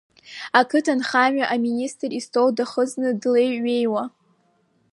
Ақыҭанхамҩа аминистр истол дахыҵны длеиҩеиуа.